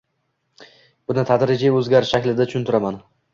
Buni tadrijiy o‘zgarish shaklida tushuntiraman